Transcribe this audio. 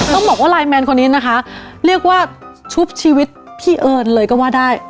ต้องบอกว่าไลน์แมนคนนี้นะคะเรียกว่าชุบชีวิตพี่เอิญเลยก็ว่าได้